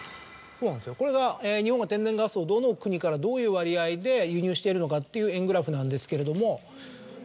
これが日本が天然ガスをどの国からどういう割合で輸入しているのかという円グラフなんですけれども。